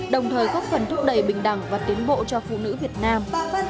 đồng thời góp phần thúc đẩy bình đẳng và tiến bộ cho phụ nữ việt nam